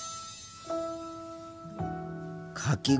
かき氷。